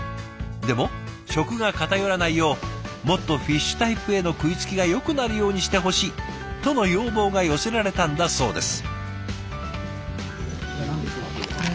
でも食が偏らないよう「もっとフィッシュタイプへの食いつきがよくなるようにしてほしい」との要望が寄せられたんだそうです。